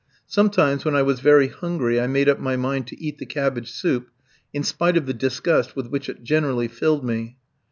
Sometimes when I was very hungry I made up my mind to eat the cabbage soup, in spite of the disgust with which it generally filled me.